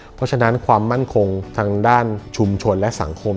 เพราะฉะนั้นความมั่นคงทางด้านชุมชนและสังคม